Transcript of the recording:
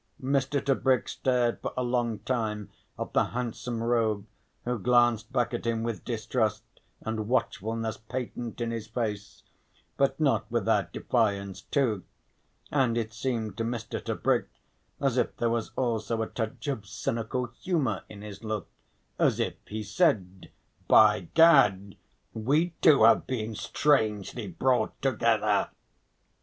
Mr. Tebrick stared for a long time at the handsome rogue, who glanced back at him with distrust and watchfulness patent in his face, but not without defiance too, and it seemed to Mr. Tebrick as if there was also a touch of cynical humour in his look, as if he said: "By Gad! we two have been strangely brought together!"